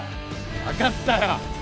わかったよ！